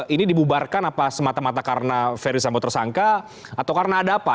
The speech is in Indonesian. ini dibubarkan apa semata mata karena ferry sambo tersangka atau karena ada apa